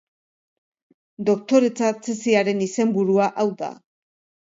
Doktoretza tesiaren izenburua hau da.